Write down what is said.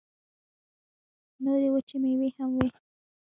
نورې وچې مېوې هم وې.